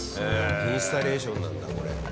インスタレーションなんだこれ。